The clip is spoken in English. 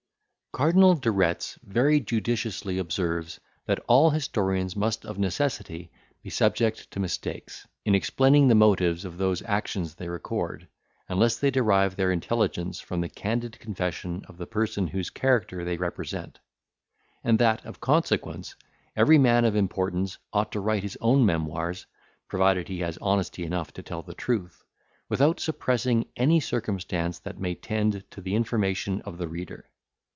Cardinal de Retz very judiciously observes, that all historians must of necessity be subject to mistakes, in explaining the motives of those actions they record, unless they derive their intelligence from the candid confession of the person whose character they represent; and that, of consequence, every man of importance ought to write his own memoirs, provided he has honesty enough to tell the truth, without suppressing any circumstance that may tend to the information of the reader.